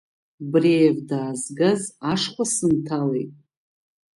Бреев даазгаз ашхәа сынҭалеит.